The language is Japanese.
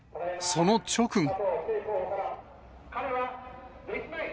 その直後。